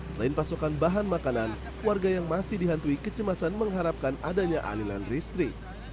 selain pasokan bahan makanan warga yang masih dihantui kecemasan mengharapkan adanya aliran listrik